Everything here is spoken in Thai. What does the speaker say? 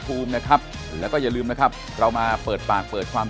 ภูมินะครับแล้วก็อย่าลืมนะครับเรามาเปิดปากเปิดความ